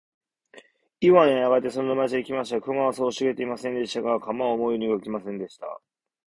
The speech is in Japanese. イワンはやがてその沼地へ来ました。草はそう茂ってはいませんでした。が、鎌は思うように動きませんでした。